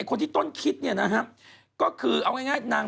ขออีกห้าตำแหน่งว่ากัน